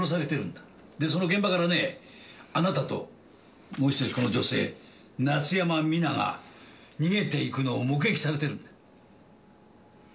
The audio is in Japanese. でその現場からねあなたともう１人この女性夏山未奈が逃げていくのを目撃されてるんだ。